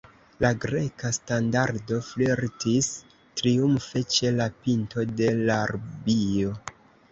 La Greka standardo flirtis triumfe ĉe la pinto de l' abio.